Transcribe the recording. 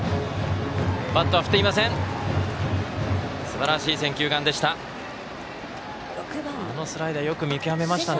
すばらしい選球眼でした。